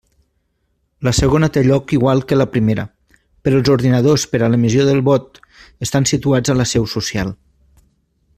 La segona té lloc igual que la primera, però els ordinadors per a l'emissió del vot estan situats a la seu social.